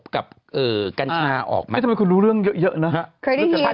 กันชาอยู่ในนี้